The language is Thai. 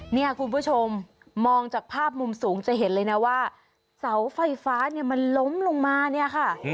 เนี่ยคุณผู้ชมมองจากภาพมุมสูงจะเห็นเลยนะว่าเสาไฟฟ้าเนี่ยมันล้มลงมาเนี่ยค่ะ